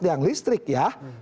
yang listrik ya